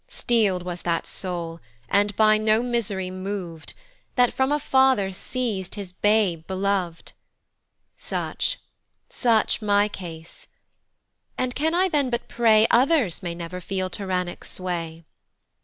Steel'd was that soul and by no misery mov'd That from a father seiz'd his babe belov'd: Such, such my case. And can I then but pray Others may never feel tyrannic sway?